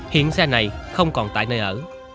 hiện xe này không còn tại nơi ở